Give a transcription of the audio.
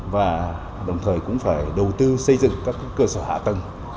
và đồng thời cũng phải đầu tư xây dựng các cơ sở hạ tầng